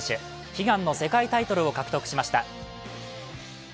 悲願の世界タイトルを獲得しました。